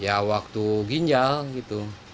ya waktu ginjal gitu